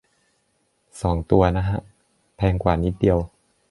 สองตัว นะฮะ แพงกว่านิดเดียว